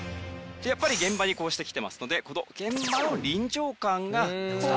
やっぱり現場にこうして来てますのでこの現場の臨場感が伝わるかどうか。